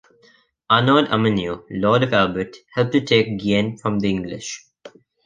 Arnaud Amanieu, lord of Albret, helped to take Guienne from the English.